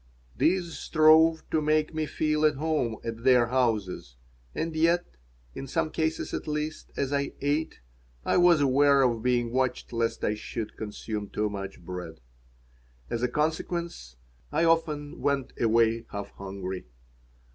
These strove to make me feel at home at their houses, and yet, in some cases at least, as I ate, I was aware of being watched lest I should consume too much bread. As a consequence, I often went away half hungry.